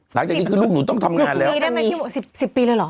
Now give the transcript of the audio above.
หลังจากนี้คือลูกหนูต้องทำงานแล้วลูกหนูมีได้มั้ย๑๐ปีเลยเหรอ